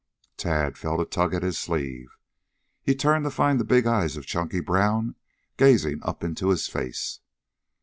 Tad felt a tug at his sleeve. He turned to find the big eyes of Chunky Brown gazing up into his face.